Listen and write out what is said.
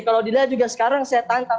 kalau di daerah juga sekarang saya tantang